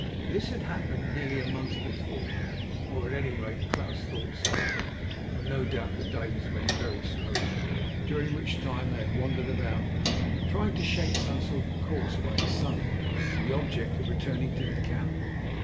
This had happened nearly a month before—or, at any rate, Klaus thought so, for no doubt the days went very slowly—during which time they had wandered about, trying to shape some sort of course by the sun with the object of returning to the camp.